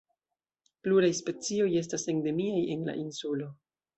Pluraj specioj estas endemiaj en la insulo.